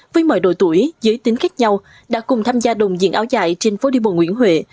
với mọi độ tuổi giới tính khác nhau đã cùng tham gia đồng diễn áo dài trên phố đi bộ nguyễn huệ